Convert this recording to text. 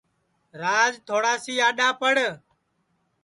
راج تھوڑاسی اڈؔا پڑ